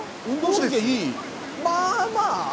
まあまあ。